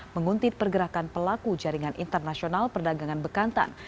menguntit pergerakan pelaku jaringan internasional perdagangan bekantan